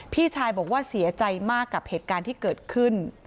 พี่ชายบอกว่าเสียใจมากกับเหตุการณ์ที่เกิดขึ้น